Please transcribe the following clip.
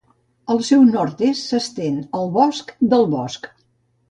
Al seu nord-est s'estén el Bosc del Bosc.